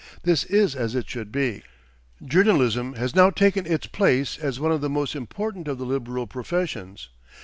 This is as it should be. Journalism has now taken its place as one of the most important of the liberal professions.